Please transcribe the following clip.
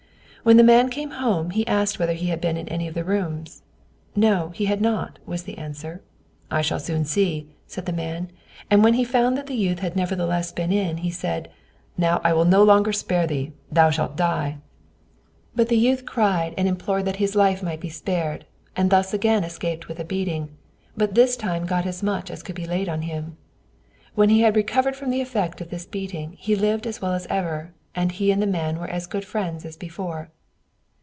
When the man came home, he asked whether he had been in any of the rooms. "No, he had not," was the answer. "I shall soon see," said the man; and when he found that the youth had nevertheless been in, he said, "Now I will no longer spare thee, thou shalt die." But the youth cried and implored that his life might be spared, and thus again escaped with a beating; but this time got as much as could be laid on him. When he had recovered from the effect of this beating he lived as well as ever, and he and the man were as good friends as before.